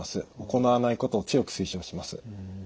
行わないことを強く推奨します。